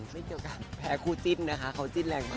ไม่เกี่ยวกับแพ้คู่จิ้นนะคะเขาจิ้นแรงมาก